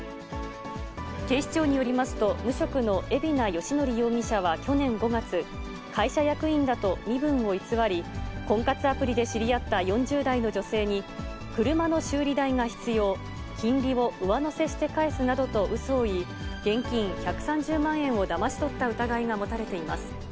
警視庁によりますと、無職の海老名義憲容疑者は去年５月、会社役員だと身分を偽り、婚活アプリで知り合った４０代の女性に、車の修理代が必要、金利を上乗せして返すなどとうそを言い、現金１３０万円をだまし取った疑いが持たれています。